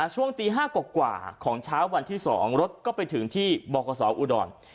ช่วงตี๕กว่าของเช้าวันที่๒รถก็ไปถึงที่บขอุดร